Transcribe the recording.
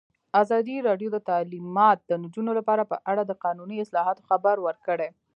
ازادي راډیو د تعلیمات د نجونو لپاره په اړه د قانوني اصلاحاتو خبر ورکړی.